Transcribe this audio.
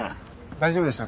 大丈夫でした？